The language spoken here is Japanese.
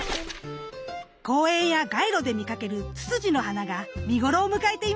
公園や街路で見かけるツツジの花が見頃を迎えていました。